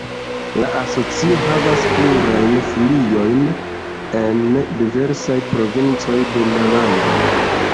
La asocio havas plurajn filiojn en diversaj provincoj de la lando.